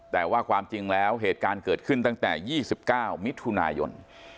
แต่ว่าความจริงแล้วเหตุการณ์เกิดขึ้นตั้งแต่๒๙มิถุนายน